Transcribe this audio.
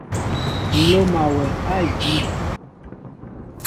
Loma wɛ a ediw.